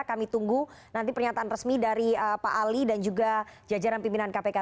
kami tunggu nanti pernyataan resmi dari pak ali dan juga jajaran pimpinan kpk